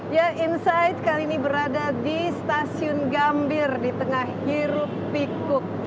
ya insight kali ini berada di stasiun gambir di tengah hirup pikuk